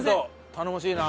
頼もしいな。